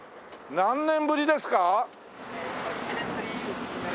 １年ぶりですね。